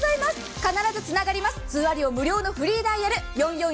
必ずつながります、通話料無料のフリーダイヤルです。